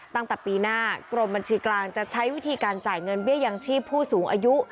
ตั้งแต่ปีหน้ากรมบัญชีกลางจะใช้วิธีการจ่ายเงินเบี้ยยังชีพผู้สูงอายุ